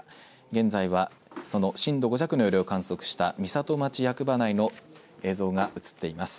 現在は、その震度５弱の揺れを観測した美里町役場内の映像が映っています。